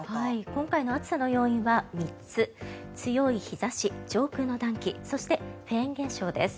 今回の暑さの要因は３つ強い日差し、上空の暖気そしてフェーン現象です。